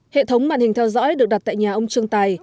hệ thống màn hình theo dõi được đặt tại nhà ông trương tài